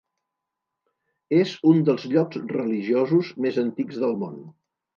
És un dels llocs religiosos més antics del món.